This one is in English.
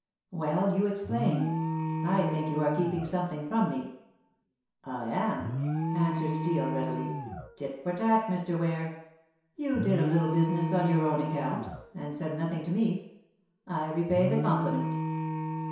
"Well, you explain. I think you are keeping something from me." "I am," answered Steel readily. "Tit for tat, Mr. Ware. You did a little business on your own account, and said nothing to me. I repay the compliment."